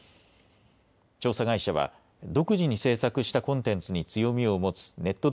調査会社は、独自に制作したコンテンツに強みを持つネット